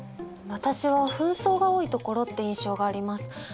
私は紛争が多いところって印象があります。